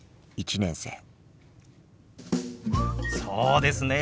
そうですね。